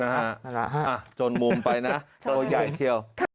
นะฮะนะฮะอ่ะจนมุมไปนะตัวใหญ่เที่ยว